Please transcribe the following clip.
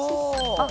あっ。